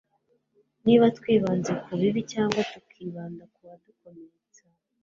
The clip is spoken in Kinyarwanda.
niba twibanze ku bibi cyangwa tukibanda ku wadukomeretsa